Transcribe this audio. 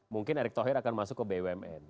mungkin erick thohir akan masuk ke bumn